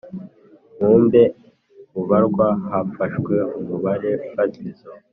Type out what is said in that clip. mbumbe Ubarwa hafashwe umubare fatizo